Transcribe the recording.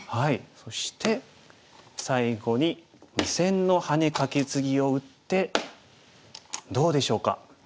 そして最後に２線のハネカケツギを打ってどうでしょうか？